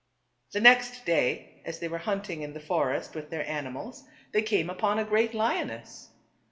The next day as they were hunting in the for est with their animals they came upon a great lioness.